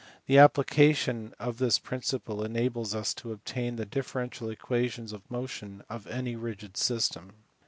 The application of this principle enables us to obtain the differential equations of motion of any rigid system.